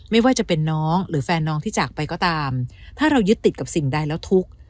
ไม่ว่าจะเป็นน้องหรือแฟนน้องที่จากไปก็ตามถ้าเรายึดติดกับสิ่งใดแล้วทุกข์